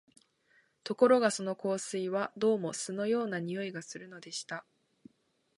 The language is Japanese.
ところがその香水は、どうも酢のような匂いがするのでした